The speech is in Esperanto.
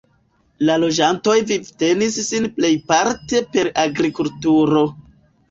La loĝantoj vivtenis sin plejparte per agrikulturo.